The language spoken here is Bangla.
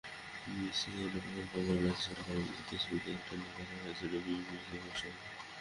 বিসিএলের প্রথম পর্বের ম্যাচ চলাকালে বিকেএসপিতে এটা নিয়ে কথা হচ্ছিল বিভব সিংয়ের সঙ্গে।